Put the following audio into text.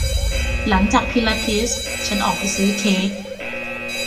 หลังจากพิลาทิสฉันออกไปซื้อเค้ก